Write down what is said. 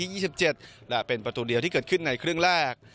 และเป็นประตูเดียวที่เกิดขึ้นในครึ่งแรก